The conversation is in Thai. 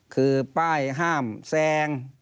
คือป้ายห้ามแซง